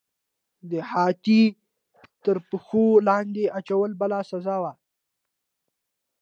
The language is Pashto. د هاتي تر پښو لاندې اچول بله سزا وه.